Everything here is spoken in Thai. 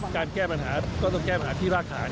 การแก้ปัญหาก็ต้องแก้ปัญหาที่พลาดขาด